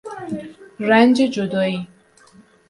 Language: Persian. رنج جدایی